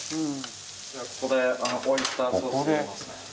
ここでオイスターソースを入れますね。